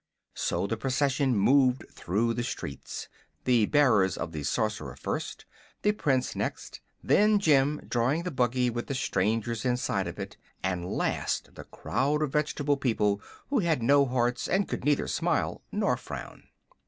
So the procession moved through the streets, the bearers of the Sorcerer first, the Prince next, then Jim drawing the buggy with the strangers inside of it, and last the crowd of vegetable people who had no hearts and could neither smile nor frown.